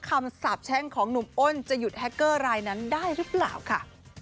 สาบแช่งของหนุ่มอ้นจะหยุดแฮคเกอร์รายนั้นได้หรือเปล่าค่ะ